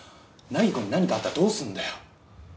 凪子に何かあったらどうするんだよ？